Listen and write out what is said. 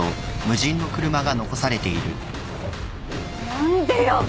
何でよ！